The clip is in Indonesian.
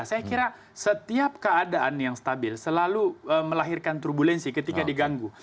saya kira setiap keadaan yang stabil selalu melahirkan turbulensi ketika diganggu